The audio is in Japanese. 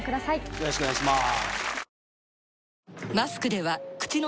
よろしくお願いします。